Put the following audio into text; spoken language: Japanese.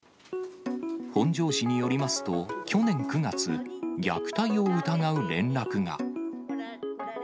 本庄市によりますと、去年９月、虐待を疑う連絡が。